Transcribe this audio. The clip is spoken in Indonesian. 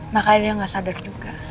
makanya dia nggak sadar juga